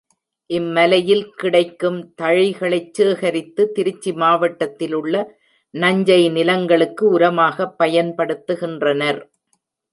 இம்மலையில் கிடைக்கும் தழைகளைச் சேகரித்து, திருச்சி மாவட்டத்திலுள்ள நஞ்சை நிலங்களுக்கு உரமாகப் பயன்படுத்துகின்றனர்.